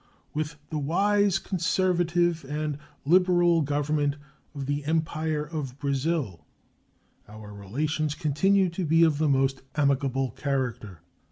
With the wise, conservative, and liberal Government of the Empire of Brazil our relations continue to be of the most amicable character.